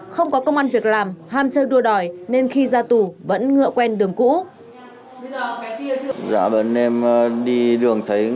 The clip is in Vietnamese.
không có công an việc làm ham chơi đua đòi nên khi ra tù vẫn ngựa quen đường cũ